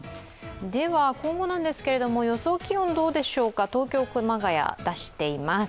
今後ですが、予想気温どうでしょうか、東京、熊谷出しています。